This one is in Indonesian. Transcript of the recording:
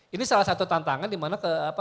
ini salah satu tantangan dimana